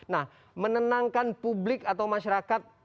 nah menenangkan publik atau masyarakat